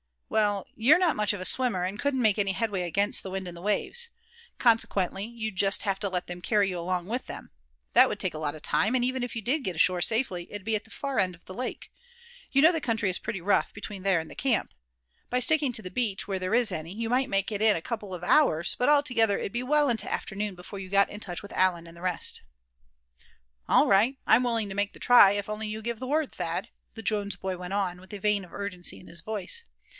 "Well, you're not much of a swimmer, and couldn't make any headway against the wind and the waves. Consequently you'd just have to let them carry you along with them. That would take a lot of time; and even if you did get ashore safely it'd be at the far end of the lake. You know the country is pretty rough between there and the camp. By sticking to the beach, where there is any, you might make it in a couple of hours; but altogether it'd be well into afternoon before you got in touch with Allan and the rest." "All right, I'm willing to make the try, if only you give the word, Thad," the Jones boy went on, with a vein of urgency in his voice.